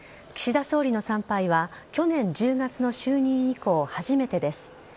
岸田総理の参拝は、去年１０月の就任以降初めてです。